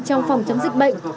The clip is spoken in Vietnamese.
trong phòng chống dịch bệnh